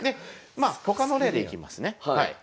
まあ他の例でいきますね。